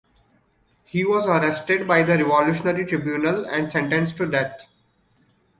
He was arrested by the Revolutionary Tribunal and sentenced to death.